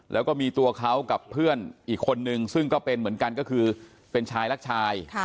แล้วก็มีตัวเขากับเพื่อนอีกคนนึงซึ่งก็เป็นเหมือนกันก็คือเป็นชายรักชาย